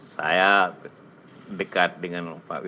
saya ingatkan pak jika dikenal dengan bajau pem pak ani